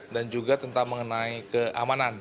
dan juga tentang mengenai keamanan